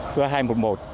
cho hai mươi năm